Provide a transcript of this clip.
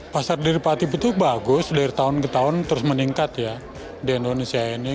pasar direpatif itu bagus dari tahun ke tahun terus meningkat ya di indonesia ini